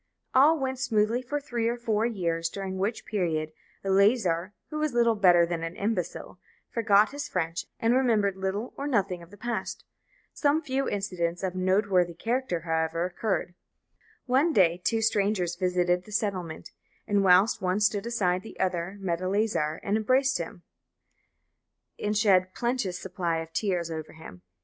All went smoothly for three or four years, during which period Eleazar, who was little better than an imbecile, forgot his French, and remembered little or nothing of the past. Some few incidents of a noteworthy character, however, occurred. One day two strangers visited the settlement, and whilst one stood aside the other met Eleazar, and embraced him, and shed a plenteous supply of tears over him.